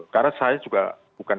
karena saya juga bukan